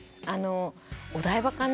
お台場かな。